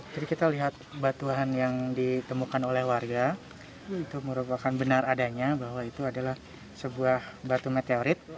kita lihat batuan yang ditemukan oleh warga itu merupakan benar adanya bahwa itu adalah sebuah batu meteorit